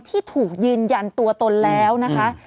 ที่ถูกยืนยันตัวตนแล้วนะคะ